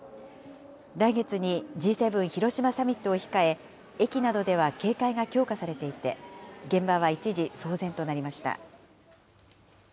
来月にＧ７広島サミットを控え、駅などでは警戒が強化されていて、現場は一時騒然となりました。